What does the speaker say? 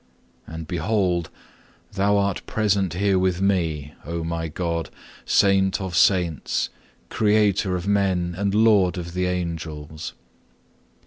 And behold, Thou art present here with me, O my God, Saint of Saints, Creator of men and Lord of the Angels.